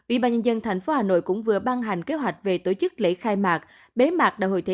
ubnd tp hà nội cũng vừa ban hành kế hoạch về tổ chức lễ khai mạc bế mạc đại hội thể